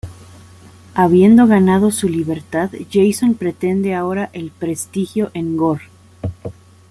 Habiendo ganado su libertad Jason pretende ahora el prestigio en Gor.